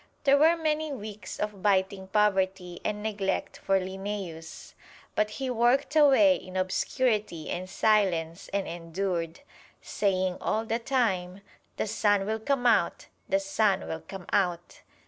There were many weeks of biting poverty and neglect for Linnæus, but he worked away in obscurity and silence and endured, saying all the time, "The sun will come out, the sun will come out!"